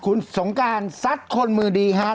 คุณสงการซัดคนมือดีฮะ